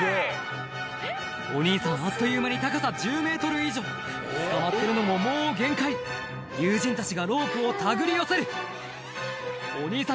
お兄さんあっという間に高さ１０ｍ以上つかまってるのももう限界友人たちがロープを手繰り寄せるお兄さん